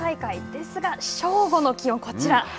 ですが、正午の気温、こちら。